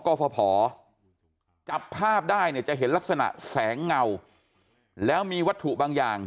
ก็พอจับภาพได้เนี่ยจะเห็นลักษณะแสงเงาแล้วมีวัตถุบางอย่าง